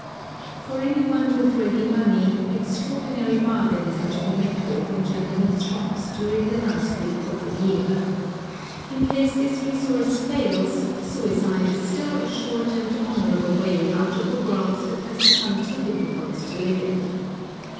For any one with ready money extraordinary bargains are to be met with in Japanese shops during the last week of the year. In case this resource fails, suicide is still a short and honorable way out of a world that has become too difficult to live in.